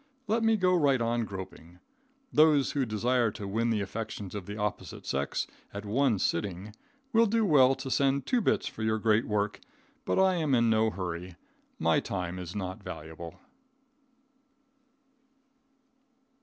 Let me go right on groping. Those who desire to win the affections of the opposite sex at one sitting, will do well to send two bits for your great work, but I am in no hurry. My time is not valuable.